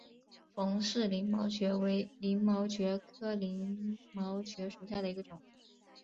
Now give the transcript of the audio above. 冯氏鳞毛蕨为鳞毛蕨科鳞毛蕨属下的一个变种。